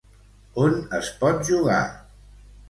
On es pot jugar?